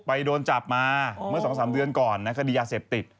โดนจับมาเมื่อ๒๓เดือนก่อนนะคดียาเสพติด